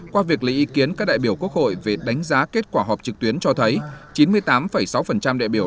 qua việc lấy ý kiến các đại biểu quốc hội về đánh giá kết quả họp trực tuyến cho thấy chín mươi tám sáu đại biểu